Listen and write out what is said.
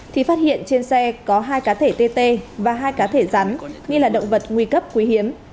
thì phát hiện trên xe có hai cá thể tê tê và hai cá thể rắn nghĩa là động vật nguy cấp quý hiếm